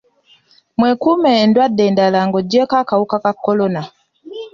Mwekuume endwadde endala ng'oggyeko akawuka ka kolona.